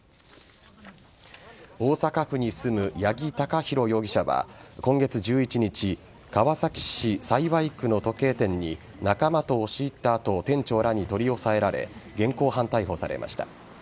大阪府に住む八木貴寛容疑者は今月１１日川崎市幸区の時計店に仲間と押し入った後店長らに取り押さえられ現行犯逮捕されました。